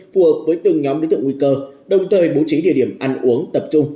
phù hợp với từng nhóm đối tượng nguy cơ đồng thời bố trí địa điểm ăn uống tập trung